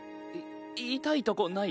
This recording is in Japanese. い痛いとこない？